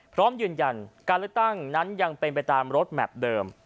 พร้อมยืนยันการเลือกตั้งนั้นยังเป็นไปตามรถแมพเดิม